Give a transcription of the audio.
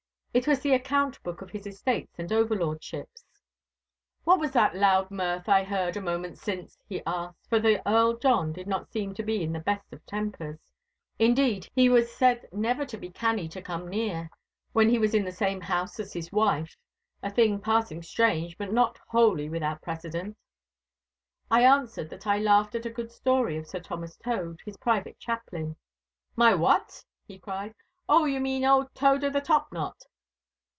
It was the account book of his estates and overlordships. 'What was that loud mirth I heard a moment since?' he asked, for the Earl John did not seem to be in the best of tempers. Indeed he was said never to be canny to come near, when he was in the same house as his wife, a thing passing strange and but not wholly without precedent. I answered that I laughed at a good story of Sir Thomas Tode, his private chaplain. 'My what!' he cried. 'Oh, ye mean old Tode of the Top knot!